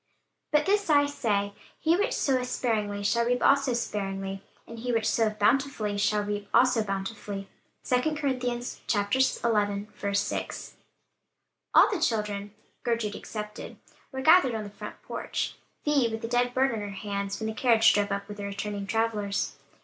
"But this I say, he which soweth sparingly shall reap also sparingly; and he which soweth bountifully shall reap also bountifully." 2 COR. ix. 6. All the children, Gertrude excepted, were gathered on the front porch, Vi with the dead bird in her hands, when the carriage drove up with the returning travelers.